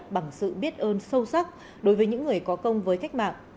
bằng sự biết ơn sâu sắc đối với những người có công với cách mạng